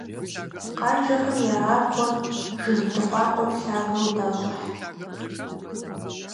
Къанжэхэм я абгъуэр жыг дыкъуакъуэм лъагэу дащӀыхь.